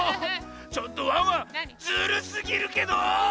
ちょっとワンワンズルすぎるけど。